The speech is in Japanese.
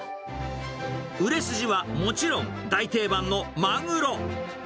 売れ筋はもちろん、大定番のマグロ。